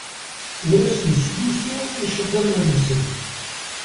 Ur asen-slusuyeɣ iceḍḍiḍen-nsen.